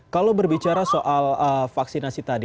kalau berbicara soal vaksinasi tadi